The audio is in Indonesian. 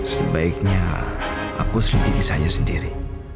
sebaiknya aku selidiki saja sendiri